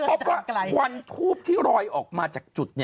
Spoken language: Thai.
พบว่าควันทูบที่รอยออกมาจากจุด